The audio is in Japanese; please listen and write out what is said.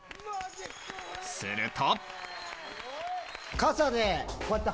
すると。